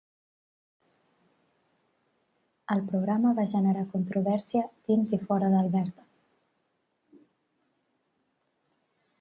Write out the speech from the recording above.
El programa va generar controvèrsia dins i fora d'Alberta.